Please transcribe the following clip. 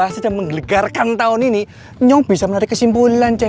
saya mau ke pantai asuhan mutiara bunda